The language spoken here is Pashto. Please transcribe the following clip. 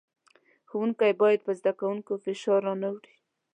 ښوونکی بايد پر زدکوونکو فشار را نۀ وړي.